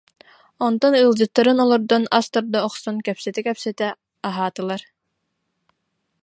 Онтон ыалдьыттарын олордон, ас тарда охсон, кэпсэтэ-кэпсэтэ аһаатылар